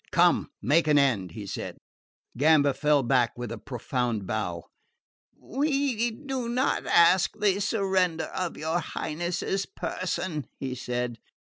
"Come, make an end," he said. Gamba fell back with a profound bow. "We do not ask the surrender of your Highness's person," he said.